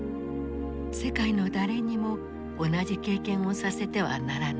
世界の誰にも同じ経験をさせてはならない。